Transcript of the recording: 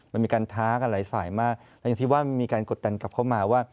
มันมีการท้ากันหลายฝ่ายมากอย่างที่ว่ามีการกดดันกลับเข้ามาว่า